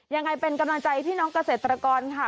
ยังไงเป็นกำลังใจพี่น้องเกษตรกรค่ะ